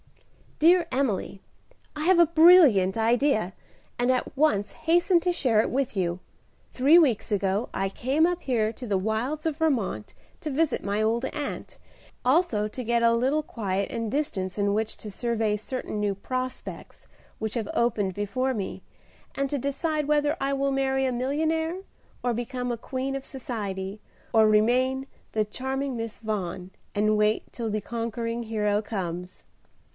"Dear Emily, I have a brilliant idea, and at once hasten to share it with you. Three weeks ago I came up here to the wilds of Vermont to visit my old aunt, also to get a little quiet and distance in which to survey certain new prospects which have opened before me, and to decide whether I will marry a millionnaire and become a queen of society, or remain 'the charming Miss Vaughan' and wait till the conquering hero comes.